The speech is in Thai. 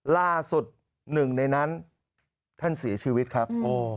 ล่าสุดหนึ่งในนั้นท่านเสียชีวิตครับ